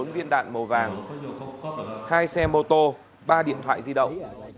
một mươi bốn viên đạn màu vàng hai xe mô tô ba điện thoại di động